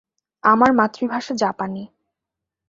আমার মাতৃভাষা জাপানী।